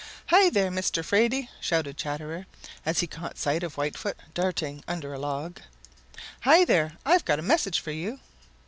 "Hi there, Mr. Fraidy!" shouted Chatterer, as he caught sight of Whitefoot darting under a log. "Hi there! I've got a message for you!"